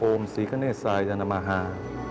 โอมศรีขณะเนสาอยัณมาฮา